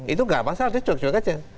itu nggak masalah ada cok cok aja